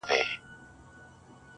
او ستا پر قبر به.